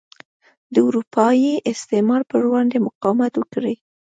د اروپايي استعمار پر وړاندې مقاومت وکړي.